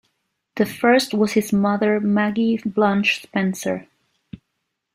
The first was his mother Maggie Blanche Spencer.